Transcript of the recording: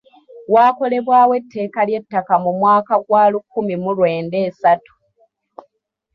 Waakolebwawo etteeka ly'ettaka mu mwaka gwa lukumi mu lwenda esatu.